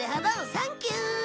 サンキュー！